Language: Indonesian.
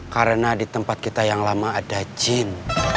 karena di tempat kita yang lama ada jin